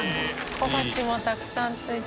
小鉢もたくさん付いて。